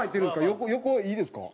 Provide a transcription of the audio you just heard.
横いいですか？